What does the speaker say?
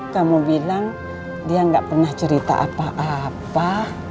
kamu bilang dia nggak pernah cerita apa apa